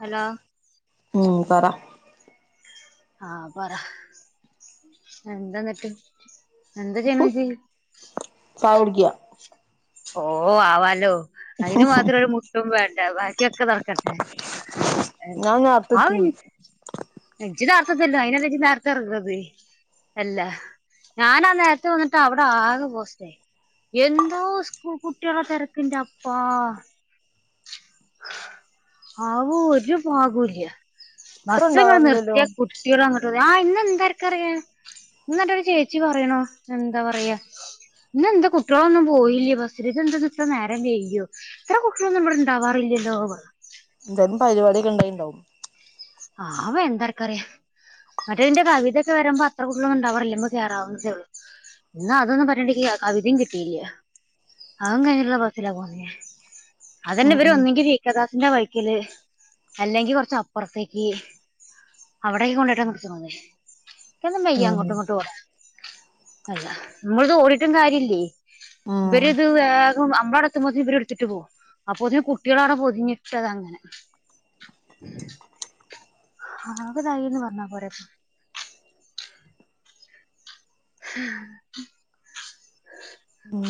Hello ഉം പറ. ആപറ എന്താന്നട്ട് എന്താ ചെയ്യ്ണെ ഇജ്? ചായകുടിക്ക. ഓ ആവാലോ അതിന് മാത്രം ഒരു മുട്ടും വേണ്ട ബാക്കിയൊക്കെ നടക്കട്ടെ. ആ ഞാൻ അ അവ നേരത്തെത്തി [unintelligible] ഇജ് നാ ർത്തേതിനീ അതിനല്ലെ ഇജ്ജ് നർത്തേയ് ഇറങ്ങാണത്. അല്ല ഞാനാ നേരത്തെ വന്നിട്ട് അവിടെ ആകെ പോസ്റ്റേ എന്തോ സ്കൂൾ കുട്ടിളെതിരക്കിന്റെ അപ്പാ ആ ഒരു ബാഗുല്ല്യ. ഇത്ര ബസ്സ്‌ ഇണ്ടാവാറില്ലല്ലോ നിർത്തിയാ കുട്ടികളന്നിട്ട് ആ ഇന്ന് എന്താന്ന് ആർക്കറിയ.? ന്നെട്ടൊരു ചേച്ചി പറയണു എന്താ പറയാ ഇന്ന എന്താ കുട്ടികളൊന്നും പോയില്ലേ ബസ് രി എന്ത ഇത്രം നേരം വെയ്കി യോ ഇത്ര കുട്ടിന്നും ഇവടെ ഉണ്ടാവാറില്ലല്ലോ പറഞ്ഞു എന്തേലും പരിപാടടിൊക്കെ ഉണ്ടാവും. ആ അവോ എന്താക്കറിയ മറ്റേതിന്റെ കവിതയൊക്കെ വരുമ്പോ അത്ര കുട്ടിയാള്ഒന്നും ഉണ്ടാവാറില്ല കേറാവുന്നേള്ളൂ. ഇന്നാ അതൊന്നും പറയേണ്ടില്യ കവിതയും കിട്ടിയില്യ അതും കഴിഞ്ഞിട്ടുള്ളഉള്ള ബസ്സിൽ ആണ് പൊന്നെ അതന്നെ ഉം ഇവര ഉം ഒന്നെങ്കിൽ ഇക്കദാസിന്റെ വൈക്കല്, അല്ലെങ്കിൽ കുറച്ച് അപ്പുറത്തേ ഈ അവിടെ കൊണ്ടായിട്ടാ നിർത്ണത് ഇക്കോന്നു വയ്യ ഉം അങ്ങോട്ടും ഇങ്ങോട്ടും ഓടാൻ അല്ല നമ്മളിത് ഓടിട്ടും കാര്യല്ലേ ഇവരി ഇത് ഉം വേഗം നമ്മൾഎത്തു ത്ത്പോത്തിന് എടുത്തിട്ട് പോവും അപ്പൊത്തിനു കുട്ടിയാൾ പൊതിഞ്ഞിട്ടത് അങ്ങനെ ആ അകാ തയിന്ന് പറഞ്ഞാ പോരെ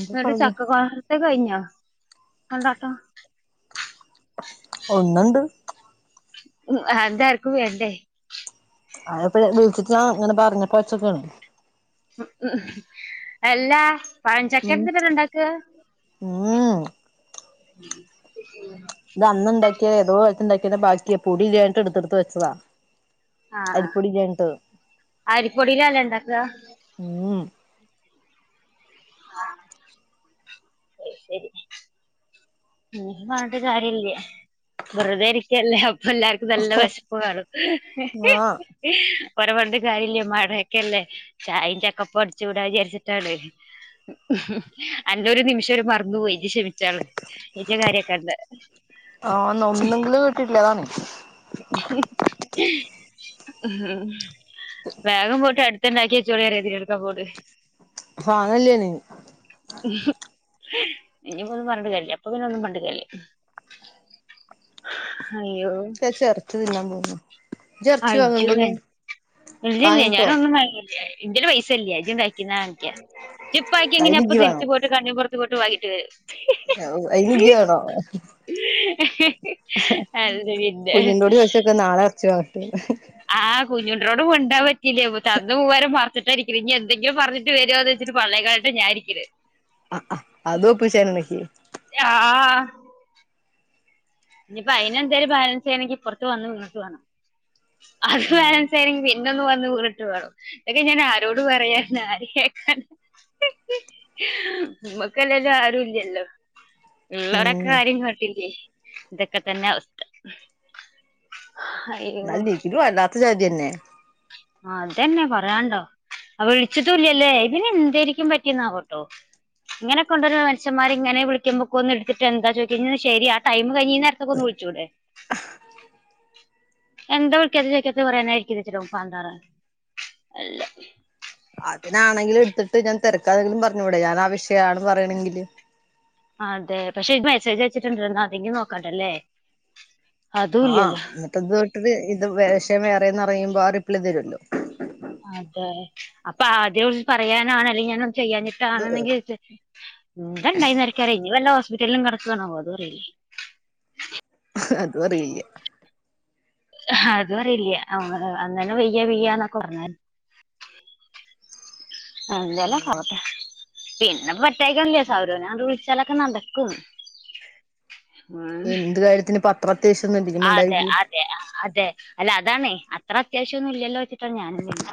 എന്താ ന്നട്ട് പറയാ ചക്ക അന്റേത് കഴിഞ്ഞോ കൊണ്ടാട്ടം? ഒന്ന്ണ്ട്. ആ അതെന്താ ആർക്കും വേണ്ടേ? അതാപതു വിളിച്ചിട്ട് ഞാ ഇങ്ങനെ പറഞ്ഞപ്പോ വെച്ച്ക്കണ് ഉ എല്ലാ ഉം പഴചാക്കയോടുത്തിട്ട് ഇത് ഇണ്ടാക്ക. ഉം ഉ [inaudible] അന്ന്ണ്ടാക്കിയാഏതോ കാലത്തുണ്ട ക്കിയ ബാക്കി പൊടി ഇല്ല്യഞ്ട്ട് എടുത്ത് എടുത്തു വെച്ചതാ ആ അരിപ്പൊടി ഇല്ലാഞ്ഞിട്ട് ആ അരിപ്പൊടിയിലല്ലെ ഇണ്ടാക്ക? മ് ശരി ശരി ഇനീ പറഞ്ഞിട്ട് കാര്യമല്ല്യ വെറുതെരിക്കല്ലേ അപ്പ എല്ലാർക്കും നല്ല വേശപ്പ് കാണും. ആഹ് ഓനെ പറഞ്ഞിട്ട് കാര്യല്യ മയയൊക്കെയല്ലേ. ചായ ചക്കപ്പ അടിച്ചുൂടാ വിചാരിച്ചിട്ടാണ്‌ ഉ അന്നേ ഒരു നിമിഷംര് മറന്നു പോയി ഇനി ക്ഷമിച്ചാള് ഇനി ഇജ്ജ് കാര്യൊക്കെണ്ട ആഹ ഒന്നെങ്കും കേട്ടിട്ടില്ലേ അതാണ് [unintelligible] വേഗം പോട്ട്ടു [unintelligible] തന്നെക്കെ ചോിയറഴതി എടുക്ക പോത് [unintelligible] ഫ അതല്ലയാാണ് ഇനി പോന്നും പറഞ്ഞിട്ട് കരിയില്യ ഇപ്പംപിന്നേ ഒന്നും കണ്ടില്ല അയ്യോ ഇച്ച് ചെറച്ച് തിന്നാൻ പോകുന്നു. അജജു ഇല്ലല്ലേ ഞാന വാങ്ങിക്കോ ഒന്നും എന്റെ ഒരു പൈസല്ലേ അജുണ്ടക്കുന്ന ചിപ്പ്ക്കി എങ്ങനെ അയിന് അപ്പ ഇജ്ജ് തിരിച്ച് വേണം പോയിട്ട് കണ്ണി പുറത്ത് പോയിട്ട് [unintelligible] അയിൻ ഇയ്യ് വാണോ അത് പിന്നെ കുഞ്ഞിന്റെട് ചോച്ചക്കെ നാളെ ഇറച്ചു വങ്ങട്ടെ ആഹ് കുഞ്ഞുണ്ടരോട് മുണ്ട പറ്റില്ലേ തന്ന മൂവാരം [unintelligible] [unintelligible] ഇനി എന്തങ്കിലും പറഞ്ഞിട്ട് വരോ വച്ചട്ട് പള്ളയക്കാളിട്ടാ ഞാരിക്കേ ആഹ് ആഹ് [unintelligible] ആഹ് ഇനിപ്പ അയിന് എന്തായാലും ബാലൻസ് ചെയ്യണെങ്കിൽ ഇപർത്ത് വന്ന് ഇങ്ങോട്ട് വേണം അത് ഉം ബാലൻസ് ആണെങ്കിൽ പിന്നെ ഇന്നൊന്ന് വന്ന് [unintelligible] ഡീ ഞാൻ ആരോട് പറയാന്ന് ആരക്ക ഇമ്മക്ക് അയ്ൻ ആരും ഇല്ലല്ലോ [unintelligible] ഇതൊക്കെ തന്നെ അവസ്ഥ അയ്യോ നല്ല നിക്കരു വല്ലാത്ത ചാതിന്നെ ആഹ് അതെന്നെ പറയാണ്ടോ അവ വിളിച്ചിട്ടുല്ല ല്ലേ ഇതിന് എന്തായിരിക്കും പറ്റിയന്നാക്കോട്ടോ ഇങ്ങനെണ്ടരു മനുഷന്മാർ ഇങ്ങെ വിളിക്ക് പൊക്കൊ ഒന്ന് എടുട്ട് ന്താ ചോദിക്കഴിഞ്ഞ ശരി ടൈകഴഞ്ഞ നേരത്തൊ ഒന്ന് വിളിച്ചൂടെ എന്താ വിളിക്ക [unintelligible] പാണ്ടാറ് എല്ല പിന്നെ അതിനാെങ്കിലും എടുത്തിട്ട് ഞാൻ തിരക്കാ എങ്കിലും പറഞ്ഞുടെ ഞാൻ ആ വിഷയ ആണ് പറയണെങ്കില് അതെ പക്ഷെ മെസ്സേജ് അയച്ചിട്ടുണ്ടന്ന് അതെങ്കും നോക്കാണ്ടല്ലേ ആഹ് എന്നിട്ട് ഇത് തൊട്ട് ഇത് വിേഷം വേറെന്നറയുമ്പോ ആ റിപ്ലൈ തരുല്ലോ അതെ അപ്പൊ ആദ്യം ഓല് പറയാനാണ് അല്ലെ ഞാനും ചെയ്യാനിട്ടാണെന്നെങ്കിൽ [unintelligible] ഇനി ഹോസ്പിറ്റലിലും കടുകാണാവോ അത് അറിയില്ലേ അതും അറിയില്ല അത് അറിയില്ല അന്ന അന്നെ വെയ്യ വെയ്യന്നൊക്കെ പറഞ്ഞ ഉം എന്തേലൊക്കെ ആകട്ടെ പിന്നെ [unintelligible] സൗരവനെ ആട്ട് വിളിച്ചാലൊക്കെ നടക്കും ഉം എന്ത് കാര്യത്തിന് പത്ര അത്യാവ്യം ഒന്നും ഇല്ല ഇജ് അതെ മിണ്ടായിരിക്ക് അതെ അതെ അല്ല അതാണെ അത്ര അത്യാവശ്യംന്നും ഇല്ലല്ലോ വെച്ചിട്ടാണ് ഞാനും പിന്നെ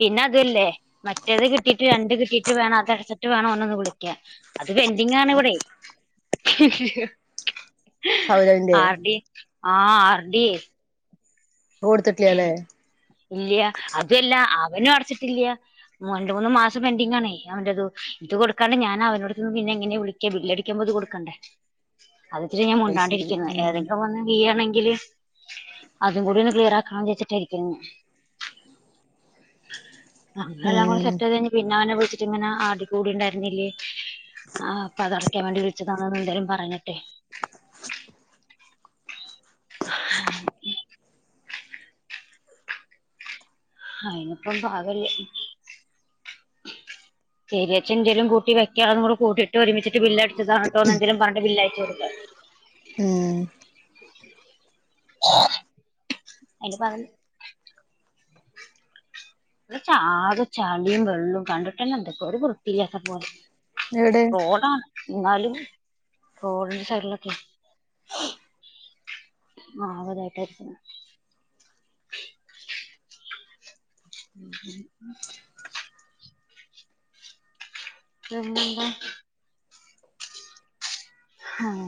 പിന്നെ അതല്ലേ മറ്റേത് കിട്ടിയിട്ട് രണ്ട് കിട്ടിയിട്ട് വേണം അടച്ചിട്ട് വേണ ഒന്ന് വിളിക്ക അത് പെൻഡിങ്ങ ആണ ഇവിടെ സൗരവിന്റെ ആർ അത് ഡി ആഹ് ആർ ഡി കൊടുത്തിട്ടില്ലാല്ലേ ഇല്ലയ അതുല്ല അവനും അടച്ചിട്ടില്ല മ ര മൂന്ന് മാസം പൻഡിങ്ങ ആണേ അവന്റെ അത് ഇത് കൊടുക്കാണ്ട് ഞാൻ അവനടുത്ത്ന്ന് പിന്നെ എങ്ങനെ വിളിക്കാ ബില്ലല്ടിക്കുമ്പോ ഇത് കൊടുക്കണ്ടെ അത്ത്തിരി ഞാൻ അയ്ശരി മുണ്ടാണ്ടിരിക്കുന്നു ഉം ഏതെങ്കിലും വന്ന് വീയണെങ്കില് അതും കൂടി ഒന്ന് ക്ലിയർ ആ ച്ചി ട്ടിരിക്കുന്നു അങ്ങനെ എല്ലാം ഉം കൂടെ സെറ്റ് [unintelligible] പിന്നെ അവനെ വിളിച്ചിട്ട് ഇങ്ങെ ആട കൂടി ഉണ്ടായിരുന്നില്ലേ ആ അപ്പൊ അതടക്കാൻ വേണ്ടി വിളിച്ചതാണന്ന് എന്തേലും പറഞ്ഞിട്ടെ ഹാ ഉം അയിനിപ്പം എന്താ വാവല്ലേ [unintelligible] എന്തേലും കൂട്ടി വെക്കാ കൂട്ടിയിട്ട് ഒരുമിച്ചിട്ട് ബില്ല്ടി അടിക്ക ഇതാണ് കേട്ടോന്ന് എങ്കിലും പറഞ് കൊണ്ട് ബില്ലയച്ചു കൊടുക്ക ഉം അയിന്റെ പക ഇവിടെയൊക്കെ ആകെ ചളിയും വെള്ളവും കണ്ടിട്ട് തന്നെ എന്തൊക്കെ ഒരു വൃത്തില്ലാത്ത പോലെ എവിടെ റോഡാ എന്നാലും റോഡിന്റെ സൈഡിലൊക്കെ ആഹ് ഉ എന്താ ആഹ്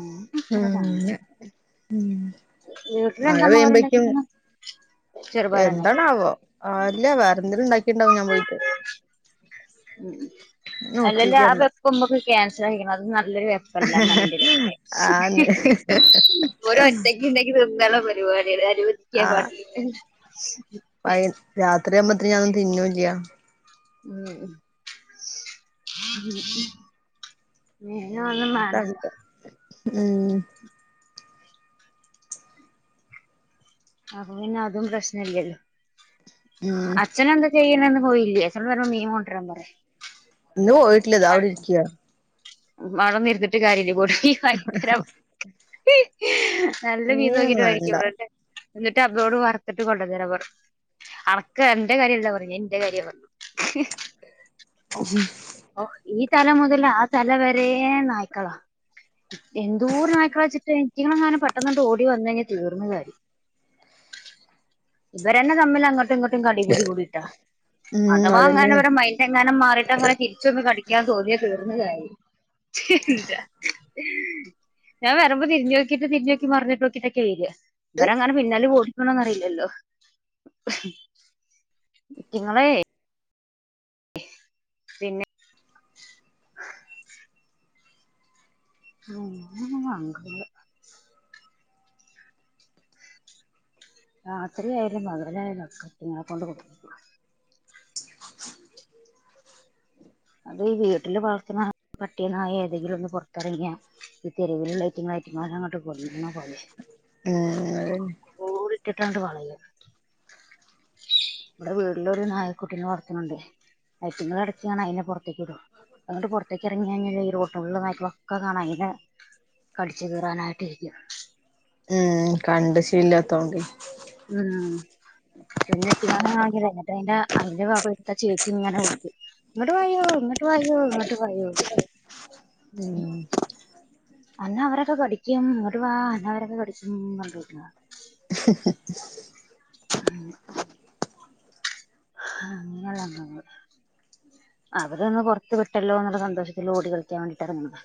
അങ്ങനെ [unintelligible] [unintelligible] ഉം വീട്ടില് മഴ എന്താ അമ്മ കറി പെയ്യുമ്പേക്കും ഇണ്ടാക്കീക്ക്ണേ എന്താണാവോ ആല്ല വേറെ എന്തെലും ഇണ്ടാക്കിണ്ടാവും ഞാൻ പോയിട്ട് ഉം ഉം ഞാൻ അല്ല അല്ല ആ നോക്കിക്കണ്ട വെപ്പും ഉമ്മൊക്കെ ക്യാൻസൽ ആക്കിക്കിണൊ അത് നല്ലൊരു വെ ആന്ന് [unintelligible] [unintelligible] ഇവർ ഒറ്റക് ന്തക്ക് ഇണ്ടെങ്കിലു വെള്ള പരിപാടിയലെ അനുവദിക്കാൻ പാടില്ല [unintelligible] പഴം രാത്രിയാകുമ്പോത്തിനും ഞാനൊന്നും തിന്നുംല്ല്യ ഉം മീനൊന്നും ഒന്നും മാണ്ടലൊ അങ്ങനത്തെ ഉം അപ്പൊ പിന്നെ അതും പ്രശ്ന ഇല്യല്ലോ. ഉം അച്ഛനു എന്തൊക്ക ചെയ്യണന്ന് പോയില്ലേ. അവ്ട്ന്ന് വരുമ്പം മീൻ കൊണ്ട്രാൻ പറ്യ ഇന്ന് പോയിട്ടില്ല ഇതാ ഇവടെ ഇരിക്ക്യ അതൊന്നും ഇരുന്നിട്ട് കാര്യ ഇ ല്ല [unintelligible] വാങ്ങി [unintelligible] [unintelligible] തര നല്ല മീൻ നോക്കിട്ട് മീനൊന്നും മേടിക് വേണ്ട [unintelligible] എന്നിട്ട് അവോ [unintelligible] ട് വറ്ത്തിട്ട് കൊണ്ടന്നെരാൻ പറ്യ. അനക്ക് അന്റെ കാര്യം അല്ല പറഞ്ഞെ ഞ്ഞാ ഇന്റെ കാര്യ പറഞ്ഞെ ഉം ഓ ഈ തല മുതൽ ആ തല വരേ നായ്ക്കള എന്തൊരു നായിക്കള വെച്ചിട്ടെ. ഇതിളെങ്ങാനും പെട്ടൊന്നണ്ട് ഓടി വന്നാൽ തീർന്നു കാര്യം ഇവരെന്നെ തമ്മില് അങ്ങട്ടും ഇങ്ങട്ട് കടിപിടി കൂടിട്ടാ. ഉം അഥവാ എങ്ങാനും അതന്നെയാണ് അവരെ മൈൻറ് എങ്ങാനും മാറിട്ടങ്ങനെ ഇച്ചൊന്ന് കടിക്കാൻ തോന്നിയ തീർന്ന് കാര്യം ഞാൻ വരുമ്പോ തിരിഞ്ഞോക്കിട്ടു തിരിഞ്ഞോക്കി മറിഞ്ഞിട്ട് നോക്കിട്ടെക്കെ വര്യ ഇവരങ്ങനെ പിന്നാലെ പോടി നിങ്ങളൊന്നറിയില്ലല്ലോ. ഇറ്റങ്ങളെ പിന്നെ അങ്ങനെ ഒന്നും കാണിക്കില്ല രാത്രിയായാലും പകലായാലും ഒക്കെ ഇറ്റങ്ങളെ കൊണ്ട് കുടുങ്ങും അത് ഈ വീട്ടില് വളർത്ത്ണ പട്ടി നായെ ഏതെങ്കിലും ഒന്ന് പൊറത്തിറങ്ങിയാ ഇത് തെരുവില്ള്ള അതിറ്റങ്ങളെ [unintelligible] കൊല്ലുന്ന പോലെയാ എഹ് അഹ് ഒക്കെകൂടിട്ട്ട്ടാണ്ട് വളര്ഹ ഇവടെ വീട്ന്റെ ഔടൊരു നായക്കുട്ടിനെ വളർത്ത്ണ് ഇണ്ട്. അയിറ്റങ്ങൾ എടക്ക് ഇങ്ങനെ ഒറ്റക്ക് വിടും. അങ്ങട്ട് പൊറത്തേക്ക് ഇറങ്ങി റോഡ് [inaudible] ഫുള്ള് നായിക്കളൊക്കെ കാണാ അയിനെ കടിച് കീറാനായിട്ട് ഇരിക്ക്യ എഹ് കണ്ട് ശീല്ലാത്തോണ്ട് ഉം എന്നിട്ട് ഞാന് ആഹ് [unintelligible] അയ്ന്റെ അടുത്തുള്ള [unintelligible] ചേച്ചി ഇങ്ങനെ വിളിക്കും ഇങ്ങട്ട് വായോ ഇങ്ങട്ട് വായോ ഇങ്ങട്ട് വായോ ഉം അന്ന് അവരൊക്കെ പടിക്കും. ഇങ്ങട്ട് വാ അവരൊക്കെ കടിച്ചും ന്ന് പറഞ്ഞിട്ട് [inaudible] ആഹ് [unintelligible] അവര് ഒന്ന് പൊറത്തു വിട്ടല്ലോ ഇന്ന്ള്ള സന്തോഷത്തിൽ ഓടി കളിക്കാൻ വേണ്ടിട്ടറ്ങ്ങ് ണെ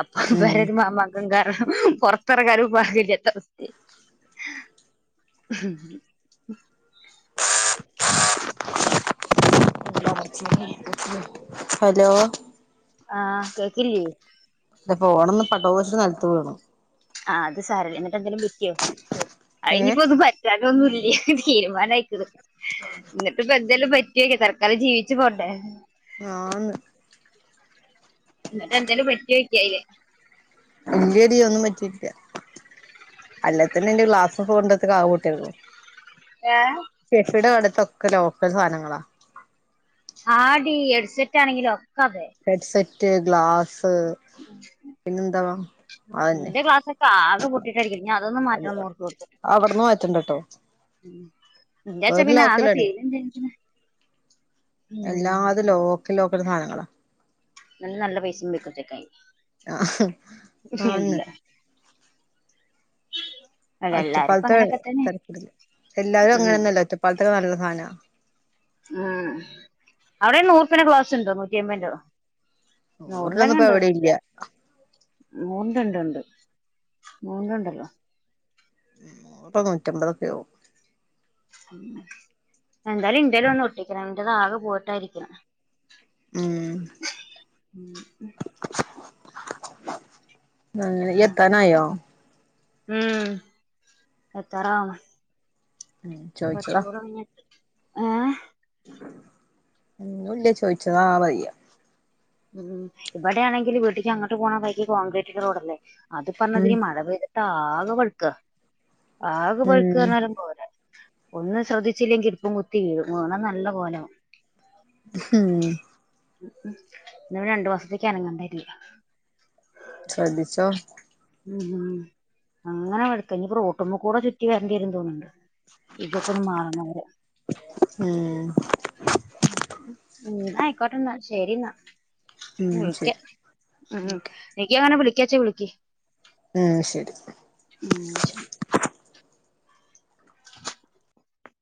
അപ്പൊ ഉം വേറു മമാകം കാര്ണം പൊറത്തെറങ്ങാനും പകല്ലാത്രേ [inaudible] [unintelligible] ഹലോ ആഹ് കേക്കില്ലേ? എന്റെ ഫോൺ ഒന്ന് പടോച്ചിട്ട് നെലത്തു വീണ്. ആ അത് സാരല്യാ ന്നിട്ട് എന്തേലും പറ്റിയോ ഏഹ് അയിനിപ്പൊന്നും പറ്റി അതൊന്നുഇല്ല തീരുമാനയിക്കുണു എന്നിട്ട് ഇപ്പ എന്തെലും പറ്റിയെ തൽക്കാലം ജീവിച്ചു പോട്ടെ ആഹ് ന്നിട്ടെന്തേലും പറ്റിയൊക്കിയേ അയിന് ഇല്ലെടി ഒന്നും പറ്റിയിട്ടില്ല അല്ലാത്തിന്നെ എന്റെ ഗ്ലാസ് കൊണ്ടക്കെ ആപോട്ടിരുന്നു. ഏ കെഎഫിയുടെ അടുത്തൊക്കെ ലോക്കൽ സാധനങ്ങളാ. ആടി ഹെഡ്സെറ്റാണെങ്കിലും ഒക്കെ അതെ. ഹെഡ്സെറ്റ് ഗ്ലാസ് പിന്നെന്താ അതന്നെ എന്റെ ഗ്ലാസ് ആകൊ പൊട്ടിട്ടായിരിക്ക ഞാ അതൊന്നന്ന് മാറ്റണം നൂർപൃട്ത്ത്. അവിടെന്നു മാറ്റണ്ട ട്ടോ പിന്നെ ച്ച പിന്നെ ആകെ ലോക്കലാണേ പേരും ചെജ്ജും ഉം ക്കെ ലോക്കെല് സാനങ്ങളാ ഇന്നലെ നല്ല പൈസയും വക്കുംചെക്കായി ആഹ് ആന്ന് അല്ല എല്ലാരും ഇപ്പ ഒറ്റപ്പാലത്തെ അങ്ങനെയൊക്കെ തന്നെ എല്ലാവരും ഉം അങ്ങനെയൊന്നുമല്ല ഒറ്റപ്പാലത്തെ നല്ല സാനാ ഉം അവിടെ നൂറുപ്യെന്റെ ക്ലാസ് ഉണ്ടോ നൂറ്റിആയിബത്തിന്റെയോ നൂറിനൊന്നും ഇപ്പ എവിടെ ഇല്ല നൂറിന്റെന്നണ്ട് നൂറിന്റെയിണ്ട് ഉണ്ട് നൂറിന്റെണ്ടല്ലോ നൂറൊ, നൂറ്റിഅയിബതോഒകൊഅവും. എന്തായാലും എന്റ ഒട്ടിക്കണം ഇന്റേത് ആകെ പോട്ടായിരിക്കാ ഉം [inaudible] ആങനൊ ഇയ് എത്താനായോ? ഉം എത്താറാവുന്നു ഉം ചോദിച്ചതാ കുറച്ചുംകൂടങ്ങു ഏഹ് ഒന്നുല്ല ചോദിച്ചതാ വയ്യ. ഉം ഇവിടെയാണെങ്കില് വീട്ടക്ക് അങ്ങട്ട് പോണ വഴി കോൺക്രീറ്റ് റോഡല്ലേ അത് ഉം പറഞ്ഞതിന് മഴ പെയിതിട്ട്. ആകെ ബൈക്ക ആകെ ഉം ബൈക്ക്ന്ന് പറഞ്ഞാലും പോരാ ഒന്നും ശ്രദ്ധിച്ചില്ലെങ്കിൽ മൂക്കും കുത്തി വീഴും വീണാ നല്ല കോലാവും ഉം ന രണ്ടു മാസത്തേക്ക് അനങ്ങാണ്ടിവരുല. ശ്രെദ്ധിച്ചോ? അങ്ങനെ ബൈക്കാ ഇനി റൊട്ടിമ്മക്കൂടി ചുറ്റി വരേണ്ടീരും തോന്നേണ്ട് ഇതൊക്കെയൊന്ന് മാറുന്ന വരെ ഉം ന്നാ ആയിക്കോട്ടെന്ന ശെരിന്ന. ഉം വിളിക്ക ശരി ഓക്കെ നിക്ക് അങ്ങനെ വിളിക്കാച്ചാ വിളിക്ക്. ആഹ് ശരി ഉം ശരി.